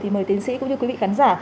thì mời tiến sĩ cũng như quý vị khán giả